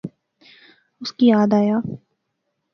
اس کی یاد آیا